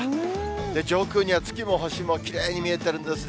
上空には月も星もきれいに見えてるんですね。